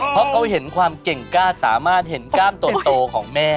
เพราะเขาเห็นความเก่งกล้าสามารถเห็นกล้ามโตของแม่